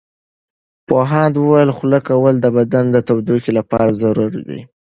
پوهاند وویل خوله کول د بدن د تودوخې لپاره ضروري دي.